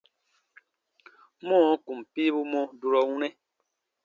Mɔɔ kùn piibuu mɔ durɔ wunɛ: